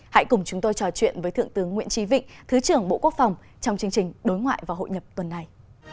hãy cùng chúng tôi trò chuyện với thượng tướng nguyễn trí vịnh thứ trưởng bộ quốc phòng trong chương trình đối ngoại và hội nhập tuần này